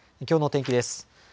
きょうの天気です。